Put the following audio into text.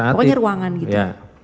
pokoknya ruangan gitu